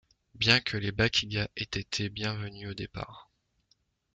Bien que les Bakiga aient été bienvenus au départ.